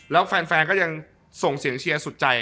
แล้วแฟนก็ยังส่งเสียงเชียร์สุดใจ